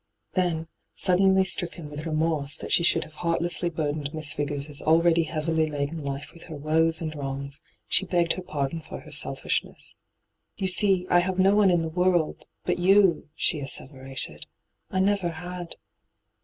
Then, suddenly stricken with remorBe that she should have heartlessly burdened Miss Vigors' already heavily laden life with her woes and wrongs, she begged her pardon for her selfishness. ' You see, I have no one in the world — but you,* she asseverated. ' I never had.